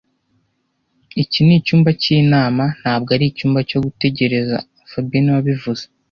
Iki nicyumba cyinama, ntabwo ari icyumba cyo gutegereza fabien niwe wabivuze